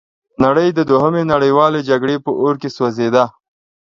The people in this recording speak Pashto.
نړۍ د دوهمې نړیوالې جګړې په اور کې سوځیده.